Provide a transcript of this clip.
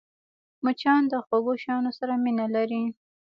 مچان د خوږو شيانو سره مینه لري